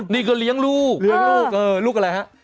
นี่ก็เลี้ยงลูกเลี้ยงลูกเออลูกลูกอะไรฮะ